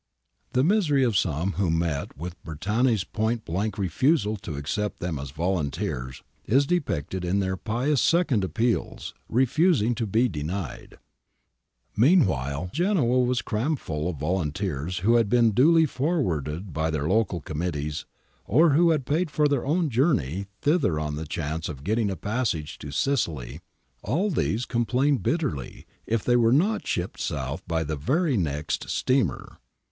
The misery of some who met with Bertani's point blank refusal to accept them as volunteers is depicted in their piteous second appeals, refusing to bt denied.^ Meanwhile Genoa was crammed full of volunteers who_ had been duly forwarded by their local "mnuttces or who had paid for their own journc}' ihit! ■ the rhan^re oT getting a jj.i^ a c to Sicily ; all ih. . uniplained bitterly if tluy were not shipped south by thL \> r^ iicxL , steamer.